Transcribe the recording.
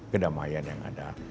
kedamaian yang ada